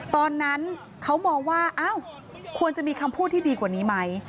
ตอนนั้นเขามองว่าอ้าวควรจะมีคำพูดที่ดีกว่านี้ไหม